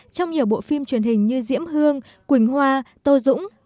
trong nhiều bộ phim truyền hình như diễm hương quỳnh hoa tô dũng